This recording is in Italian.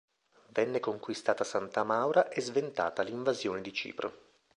Venne conquistata Santa Maura e sventata l'invasione di Cipro.